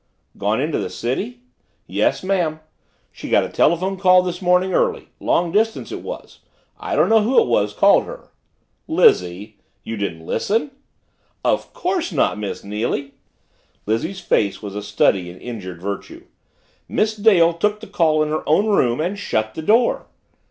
"Gone into the city?" "Yes, ma'am. She got a telephone call this morning, early long distance it was. I don't know who it was called her." "Lizzie! You didn't listen?" "Of course not, Miss Neily." Lizzie's face was a study in injured virtue. "Miss Dale took the call in her own room and shut the door."